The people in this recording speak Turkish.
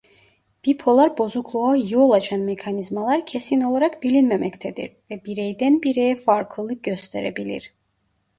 Bipolar bozukluğa yol açan mekanizmalar kesin olarak bilinmemektedir ve bireyden bireye farklılık gösterebilir.